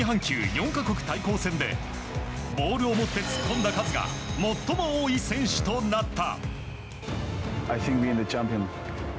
４か国対抗戦でボールを持って突っ込んだ数が最も多い選手となった。